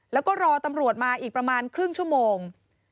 แล้วก็รอตำรวจมาอีกประมาณครึ่งชั่วโมง